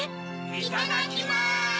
いただきます！